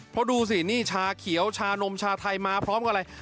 เพราะดูสินี่ชาเขียวชานมชาไทยมาพร้อมกับอะไร